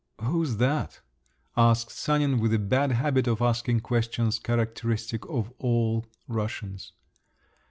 "Who's that?" asked Sanin with the bad habit of asking questions characteristic of all Russians.